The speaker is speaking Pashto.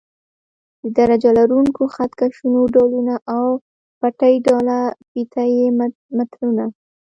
د درجه لرونکو خط کشونو ډولونه او پټۍ ډوله فیته یي مترونه.